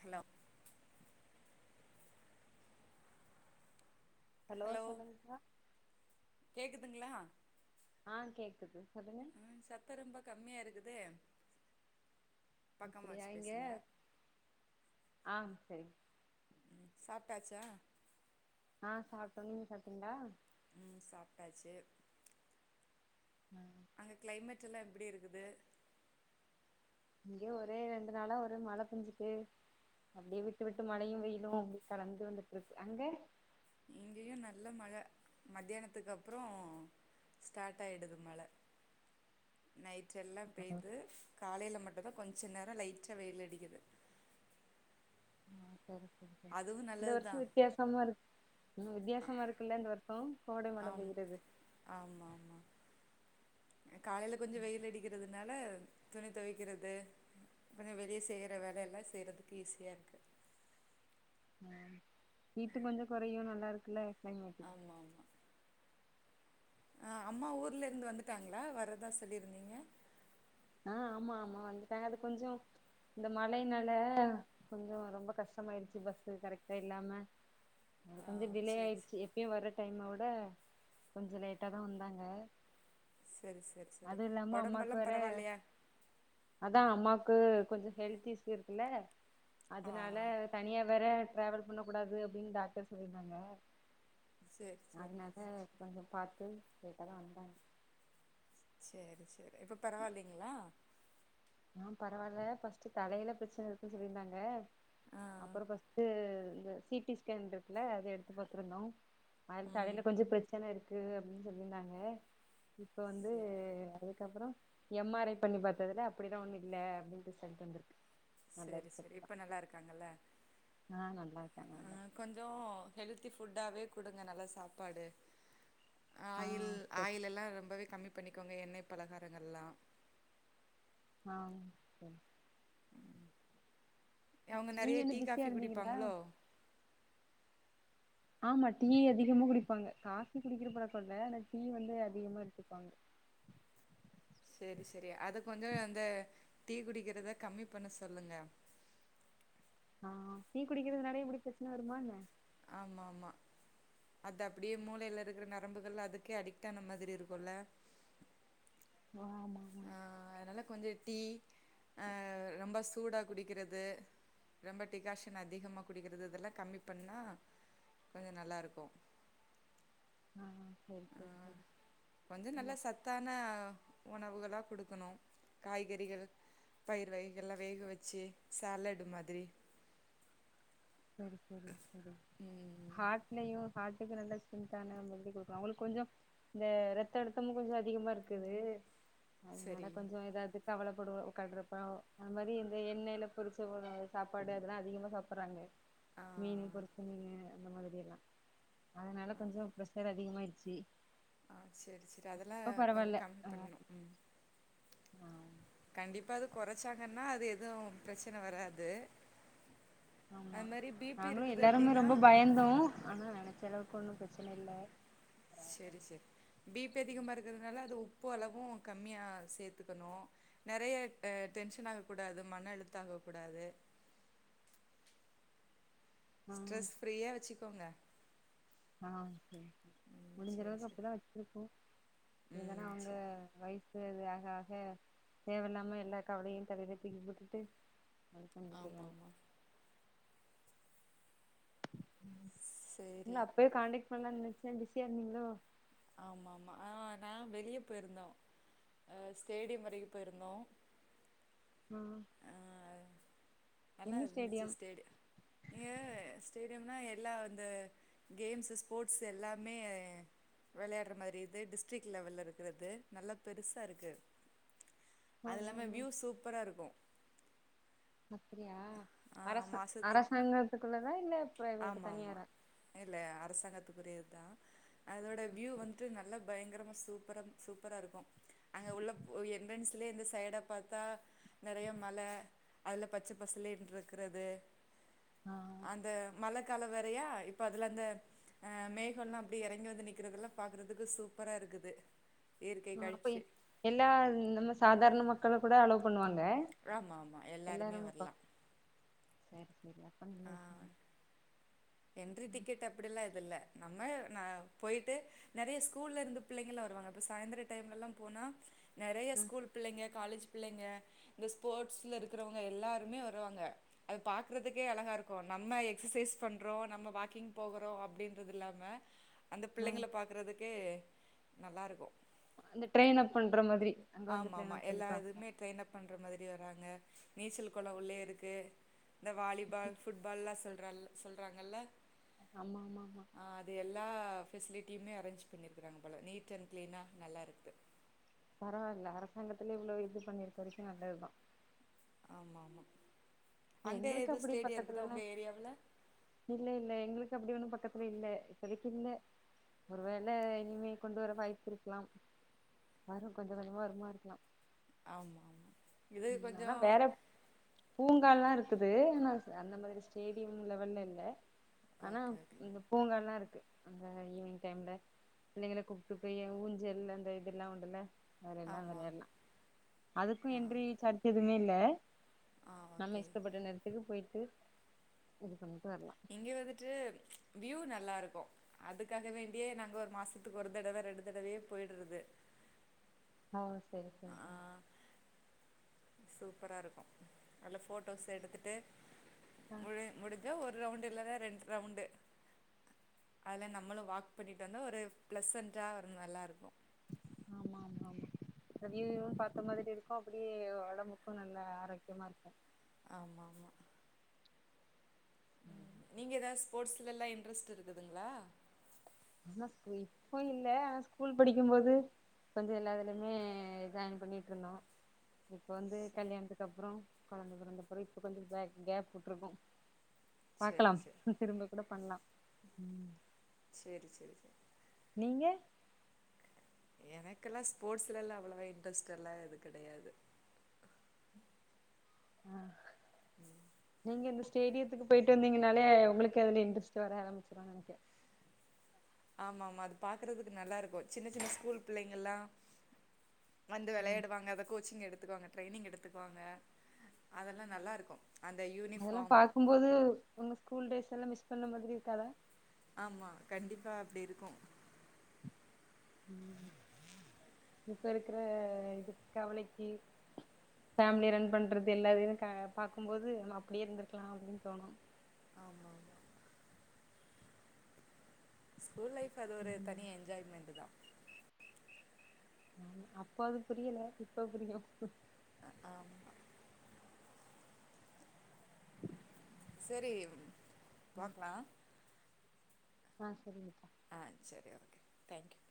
hello hello சொல்லுங்க்கா துங்களா ஆஹ் கேக்குது சொல்லுங்க சத்த ரொம்ப கம்மியா இருக்குது பக்கமா அப்படியா வச்சு இங்க பேசுங்க ஆஹ் சரிங் ம் சாப்ட்டாச்சா ஆஹ் சாப்ட்டங் நீங்க சாப்ட்டீங்களா உம் சாப்ட்டாச்சு அங்க க்ளைமேட் றெல்லா எப்படி இருக்குது இங்கேயு ஒரே ரெண்டு நாளா ஒரே மழ பேஞ்சுக்குட்டே அப்டியே விட்டு விட்டு மழயு வெயிலு அப்ப கலந்து வந்துட்டு இருக்கு அங்க இங்கேயு நல்ல மழ மத்தியானத்துக்கப்புறொ ஸ்டார்ட் ஆயிடுது மழ நைட் டெல்லா பெய்து காலையில மட்டு வெவ கொஞ்சொ நேரொ லைட்டா வெயில் அடிக்குது அ அதுவு இந்த வருஷொ நல்லதுதா வித்தியாசமா இருக்கு இன்னு வித்தியாசமா இருக்குல்ல இந்த வருஷொ கோடை மழ ஆம் பெஞ்சது காலைல கொஞ்சொ வெயில் அடிக்கிறதுனால துணி தொவக்கிறது கொஞ்சொ வெளிய செயிற வேலயெல்லா செய்யிறதுக்கு ஈஸியா இருக்கு உம் ஹீட்டு கொஞ்சொ கொறையு நல்லா இருக்குல்ல டைம் ஆச்சு அஹ் அம்மா ஊர்ல இருந்து வந்துட்டாங்களா வர்றதா சொல்லிருந்தீங்க ஆஹ் ஆமா ஆமா வந்துட்டாங்க அது கொஞ்சொ இந்த மழை நால கொஞ்சொ ரொம்ப கஷ்டமாயிடுச்சு பஸ் கரெக்டா இல்லாம ஆ கொஞ்ச டிலே சேரி சே ஆயிடுச்சு எப்பயும் வர டைம்ம விட ட கொஞ்சொ லேட்டாதா வந்தாங்க சரி சரி சரி அது இல்லாம அம்மாக்கு ஒடம்பெல்லா வேற பரவால்லியா அதா அம்மா க்கு கொஞ்சொ ஹெல்த் இஸ்யூ இருக்குல்ல ஆ அதுனால தனியா வேற டிராவல் பண்ணக் கூடாது அப்படின்னு டாக்டர் சொல்லிருந்தாங்க சரி சரி அதனால கொஞ்சொ பாத்து லேட்டாதா வந்தாங்க சரி சரி இப்ப பரவால்லைங்களா ஆஹ் பரவால்ல ஃபர்ஸ்ட் தலையில பிரச்சன இருக்குன்னு சொல்லியிருந்தாங்க ஆ அப்பறம் ஃபஸ்ட்டு இந்த சி டி ஸ்கேன் இருக்குல்ல அத எடுத்து பாத்துருந்தோ அதுல ம் தலைல கொஞ்சொ பிரச்சன இருக் க்கு அப்டின்னு சொல்லியிருந்தாங்க இப்ப வந்து சரி அது க்கப்பறொ எம் ஆர் ஐ பண்ணி பாத்ததுல அப் ப்படிலா ஒன்னு இல்ல அப்டின்டு ரிசல்ட்டு வந்திருக்கு நல்ல சரி சரி ரிசல்ட் தா இப்ப நல்லா இருக்காங்கல்ல ஆ நல்லா இருக்காங்க நல்லா ஆஹ் கொஞ்சொ ஹெலத்து ஃபுட்டாவே குடுங்க நல்ல சாப்பாடு ஆ ஆயில் சரி ஆயில் எல்லா ரொம்பவே கம்மி பண்ணிக்கோங்க எண்ணெய் பலகாரங்கள்லாம் ஆஹ் சரி அவங்க நீங்க நிறைய என்ன டீ பிஸியா காஃபி இருந்தீங்களா குடிப்பாங்களோ ஆமா டீ அதிகமா குடிப்பாங்க காஃபி குடிக்கிற பழக்கோ இல்ல ஆனா டீ வந்து அதிகமா எடுத்துப்பாங்க சேரி சேரி அத கொஞ்சோ அந்த டீ குடிக்கிறத கம்மி பண்ண சொல்லுங்க ஆ டீ குடிக்கிறதுனாலையு இப்டி பிரச்சனை வருமா என்ன ஆமா ஆமா அது அப்டியே மூளையில இருக்கற நரம்புகள் அதுக்கே அடிக்ட் ஆன மாதிரி இருக்குல ஆ ஆ அதனால கொஞ்சோ டீ அ ரொம்ப சூடா குடிக்கிறது ரொம்ப டிகாஷன் அதிகமா குடிக்கிறது இதெல்லா கம்மி பண்ணா கொஞ்சோ நல்லா இருக்கு ஆ சரி ஆ சரி சரி கொஞ்சோ நல்ல சத்தான உணவுகளா குடுக்கணு காய்கறிகள் பயிர் வகைகள்லா வேக வச்சு சாலடு மாதிரி சரி சரி சரி ம் ஹாட்லயு ஹாட் க்கு நல்லா ஸ்ட்ரென்த்தான மெல்லி குடுக்குணு அவங்களுக்கு கொஞ்சோ இந்த ரத்த அழுத்தமு கொஞ்சோ அதிகமா இருக்குது அதனால சரி கொஞ்சோ ஏதாது கவலைப்படுவா உகாகான்டுறப்பாவ் அது மாரி இந்த எண்ணெயில பொரிச்ச உணவு சாப்பாடு அதெல்லா அதிகமா சாப்புடுறாங்களே மீன் ஆ பொரிச்ச மீனு அந்த மாதிரியெல்லா அதனால கொஞ்சோ பிரசர் அதிகமாயிருச்சி ஆ சரி சரி அதெல்லா கொஞ்சோ கம்மி ஆ பண்ணணு ம் ஆ கண்டிப்பா அது கொறைச்சாங்கன்னா அது எதும் பிரச்சன வராது ஆமா அது மாரி பி பி நாங்களும் இருக்குது எல்லாருமே அப்டின்னா ரொம்ப பயந்தோ ஆனா என செலவுக்கு ஒன்னும் பிரச்சன இல்ல செரி செரி பிபி அதிகமா இருக்கறதுனால அது உப்பு அளவு கம்மியா சேத்துக்கணு நெறைய அ டென்ஷன் ஆக கூடாது மன அழுத்த ஆக கூடாது ஆ ஸ்ட்ரெஸ் ஃப்ரீயா வச்சு கோங்க ஆ செரி முடிஞ்ச சேரி அளவுக்கு சேரி அப்டிதா வச்சிருக்கோ இதுதான ம் அவங்க சேரி வயசு அது ஆக தேவ இல்லாம எல்லா கவலையு தலையில தூக்கி போட்டுட்டு அங்க நிக்க ஆமா வேணு ஆமா ம் சேரி இல்ல அப்பயே காண்டேக் பண்லா நெனைச்சே பிசியா இருந்தீங்களோ ஆமா ஆமா ஆ நா வெளிய போயிருந்தோம் அ ஸ்டேடியம் வரைக்கு போயிருந்தோம் ம் நல்லா இருந்துச்சு ஸ்டேடி நீங்க ஸ்டேடியம் ஆனா எல்லா அந்த கேம்ஸு ஸ்போர்ட்ஸு எல்லாமே வெளையாடுற மாரி இது டிஸ்ட்ரிக் லெவல்ல இருக்றது நல்லா பெருசா இருக்கு ஆ அது ஆ இல்லாம ஆ வியூ சூப்பரா இருக்கும் அப்டியா ஆ அரச மாசத்துக்கு அரசாங்கத்துக்குள்ளதா இல்ல பிரைவேட் ஆமா ஆமா தனியாரா இல்ல அரசாங்கத்துக்கு ஒரே இதான் அதோட வியூ வந்து நல்லா பயங்கரமா சூப்பர சூப்பரா இருக்கும் அங்க உள்ள என்வென்ஸ்லயே இந்த சைடா பாத்தா நெறைய மலை அதுல பச்ச பசலேன் இருக்கிறது ஆ கால வேறயா இப்ப அதுல அந்த மேகல்லாம் அப்படி எறங்கி வந்து நிக்கிறதுல்லாம் பாக்குறதுக்கு சூப்பரா இருக்குது இயற்கை ஆ அப்ப காட்சி எல்லா நம்ம சாதாரண மக்க கள் கூட அலோ பண்ணுவங்க ஆமா ஆமா எல்லாருமே வரலாம் செரி செரி அப்ப நல்ல விசய என்ட்ரி டிக்கெட் அப்படில்லாம் எதும் இல்ல நம்ம ந போய்ட்டு நறைய ஸ்கூல்ல இருந்து பிள்ளைங்கலாம் வருவாங்க இப்ப சாய்ந்திர டைம்லலாம் போனா நறைய ம் ஸ்கூல் பிள்ளங்க காலேஜ் பிள்ளைங்க இந்த ஸ்போர்ட்ஸ்ல இருக்கிறவங்க எல்லாருமே வருவாங்க அத பாக்றதுக்கே அழகா இருக்கும் நம்ம எக்ஸசைஸ் பண் றோம் நம்ம வாக்கிங் போகறோம் அப்படின்றது இல்லாம அந்த ம் பிள்ளைங்கள பாக்குறதுக்கு நல்லா இருக்கும் இங்க ட்ரெயின் அப் பண்ற மாதிரி அங்க வந்து ஆமா ட்ரெயின் ஆமா அப் எல்லா பண்ணிக்குவாங்க இதுவுமே ட்ரெயின் அப் பண்ற மாதிரி வராங்க நீச்சல் குள உள்ளயே இருக்கு இந்த வாலிபால் ஃபுட்பால்லா சொல் னல் சொல்றாங்கல்ல ஆமா ஆமா ஆமா ஆ அது எல்லா ஃபெஸ்லிட்டியுமே அரேஞ்ச் பண்ணியிருக்கறாங்க போல நீட் அண்ட் க்ளீனா நல்லாருக்குது பரவாயில்ல அரசாங்கத்துலயே இவ்வளவு இது பண்ணிருக்க வரைக்கும் நல்லதுதான் ஆமா ஆமா அங்க எங்களுக்கு எது அப்படி ஸ்டேடியம் இருக்குதா பக்கத்துலல்ல உங்க ஏரியாவுல இல்ல இல்ல எங்களுக்கு எங்களுக்கு அப்படி ஒன்னும் பக்கத்துல இல்ல இப்போதைக்கு இல்ல ஒரு வேள இனிமே கொண்டு வர வாய்ப்பு இருக்கலாம் வாரு கொஞ்ச கொஞ்சமா வருமா இருக்கலாம் ஆமா ஆமா இது கொஞ்சோ வேற பூங்கால்லா இருக்குது ஆனா அந்த ஸ் மாதிரி ஸ்டேடியம் லெவல்ல இல்ல ஆனா ஓகே ஓகே இந்த பூங்கால்லா இரு க்கு அந்த ஈவினிங் டைம்ல பிள்ளைங்கள கூப்ட்டு போய ஊஞ்சல்ல அந்த இதெல்லா உண்டுல்ல வேறென்னா ஆமா வெளையாட்லா அதுக்கு ஆ என்ரி ன்னில ஆ நம்ம ஓகே இஷ்டப்பட்ட நேரத்துக்கு போயி ட்டு இது பண்ணி இங்க வந்துட்டு வியூ நல்லாருக்கூ அதுக்காக வேண்டியே நாங்க ஒரு மாசத்துக்கு ஒரு தடவ ரெண்டு தடவயே போயிட்றது ஓ சரி சரி சரி சூப்பராருக்கு நல்ல ஃபோட்டோஸ் எடுத்துட்டு ஆ முலி முடிஞ்சா ஒ ரு ரவுண்டு இல்லென ரெண் ரவுண்டு அதுல நம்மளு வாக் பண்ணிட்டு வந்தா ஒரு ப்ளசன்டா ஒரு நல்லாருக்கு ஆமா ஆமா ப்போ அப்பிடியே ஒடம்புக்கு நல்ல ஆரோக்கியமாருக்கு ஆமாமா ம் நீங்க எதாவ் ஸ்போட்ஸ் லல்லா இன்ட்ரெஸ்ட் இருக்குதுங்ளா ஆனா ஸ் ப்பு இப்போ இல்ல ஆனா ஸ்கூல் படிக்கும் போது கொஞ்சோ எல்லா இதலிமே ஜாயின் பண்ணிட்ருந்தோ இப்ப வந்து கல்யாணத்துக்கு அப்றோ கொழந்த பொறந்தப்புறோ இப்ப கொஞ்சோ பே கேப் உட்ருக்கோ சேரி பாக்கலாம் சேரி திரும்ப கூட பண்லா உம் சேரி சேரி சேரி நீங்க எனக்கெல்லா ஸ்போட்ஸ்லெல்லா அவ்ளவா இன்ட்டெஸ்டெல்லா எது கெடையாது அ உம் நீங்க இந்த ஸ்டேடியத்துக்கு போயிட்டு வந்தீங்கனாலே உங்குளுக்கு அதுலியு இன்டெஸ்ட் வர ஆரம்பிச்சிரு நெனக்கிறே ஆமாமா அது பாக்கறதுக்கு நல்லாருக்கு சின்ன சின்ன ஸ்கூல் பிள்ளைங்கெல்லா வந்து வெளையாடுவாங்க அத கோச்சிங் எடு த்துகுவாங்க ட்ரெனிங் எடுத்துக்குவாங்க அதெல்லா நல்லாருக்கு அதெல்லா பாக்கும்போது உங்க ஸ்கூல் டேஸ் எல்லா மிஸ் பண்ண மாதிரி இருக்காதா ஆமா கண்டிப்பா அப்டி இருக்கு ம் இப்ப இருக்ற இதுக் கவலைக்கி ஃபேமிலி ரன் பண்றது எல்லாதினு க பாக்கும்போது ந அப்டியே இருந்திருக்லா அப்டின் தோணு ஆமா கூல் லைஃப் அது ஒரு தனி ம் எண்ஜாய்மெண்ட்தா ஆமா அப்ப அது புரியல இப்ப புரியு அ ஆம்மா செரி பாக்லா ஆஹ் செரிங்கத் ஆஹ் சரி ஓகே தங்க்யூ